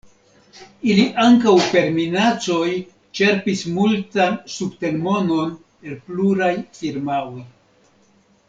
Ili ankaŭ per minacoj ĉerpis multan subten-monon el pluraj firmaoj.